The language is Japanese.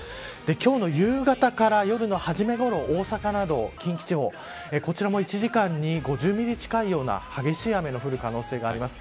今日の夕方から夜のはじめごろ大阪など近畿地方こちらも１時間に５０ミリ近いような激しい雨の降る可能性があります。